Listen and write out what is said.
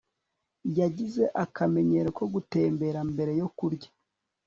Yagize akamenyero ko gutembera mbere yo kurya